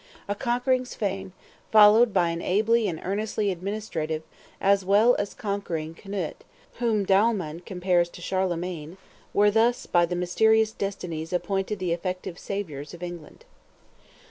A conquering Svein, followed by an ably and earnestly administrative, as well as conquering, Knut (whom Dahlmann compares to Charlemagne), were thus by the mysterious destinies appointed the effective saviors of England.